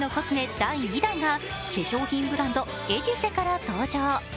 第２弾が化粧品ブランド、エテュセから登場